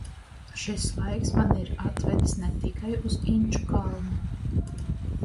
Šis laiks mani ir atvedis ne tikai uz Inčukalnu.